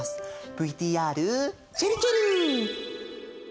ＶＴＲちぇるちぇる！